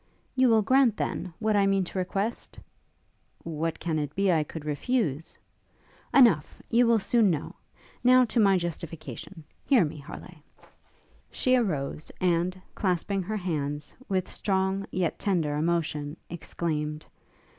'You will grant, then, what I mean to request?' 'What can it be I could refuse?' 'Enough! You will soon know. Now to my justification. Hear me, Harleigh!' She arose, and, clasping her hands, with strong, yet tender, emotion, exclaimed.